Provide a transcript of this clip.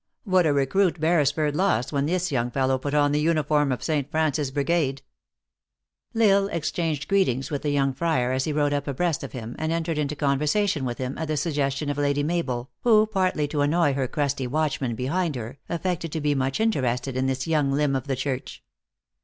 What a recruit Beresford lost when this young fellow put on the uniform of St. Francis brigade !" L Isle exchanged greetings with the young friar as he rode up abreast of him, and entered into conversa 136 THE ACTKESS IN HIGH LIFE. tion with him at the suggestion of Lady Mabel, \vlio, partly to annoy her crusty watchman behind her, affected to be much interested in this young limb of the church.